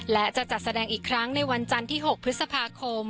และจะจัดแสดงอีกครั้งในวันจันทร์ที่๖พฤษภาคม